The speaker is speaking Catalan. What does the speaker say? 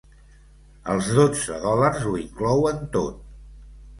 Els dotze dòlars ho inclouen tot.